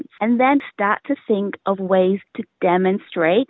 kemudian mulai memikirkan cara untuk menunjukkan